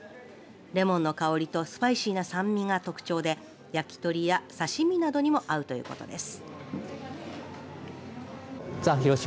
レモンの香りとスパイシーな酸味が特徴で焼き鳥や刺身などにも合うということです。